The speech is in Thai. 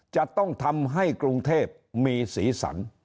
จะต้องทำให้กรุงเทพมีสีสัน